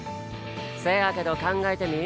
「せやけど考えてみ。